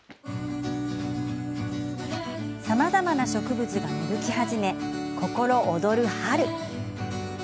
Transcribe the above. さまざまな植物が芽吹き始め、心躍る春。